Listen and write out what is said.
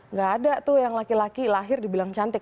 nggak ada tuh yang laki laki lahir dibilang cantik